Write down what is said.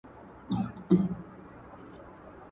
څوك به غوږ نيسي نارو ته د بې پلارو.